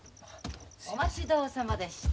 お待ち遠さまでした。